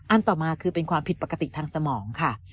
ต่อมาคือเป็นความผิดปกติทางสมองค่ะ